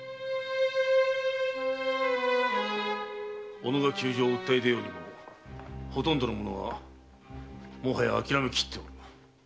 己が窮状を訴え出ようにもほとんどの者がもはや諦めておる。